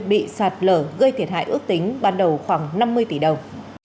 bị sạt lở gây thiệt hại ước tính ban đầu khoảng năm mươi tỷ đồng